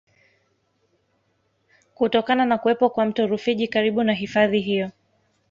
Kutokana na kuwepo kwa mto Rufiji karibu na hifadhi hiyo